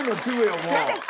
もう。